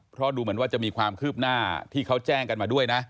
เพราะดูเหมือนว่าจะมีความคืบหน้าที่เขาแจ้งกันมาด้วยนะ